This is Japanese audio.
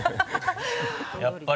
やっぱり。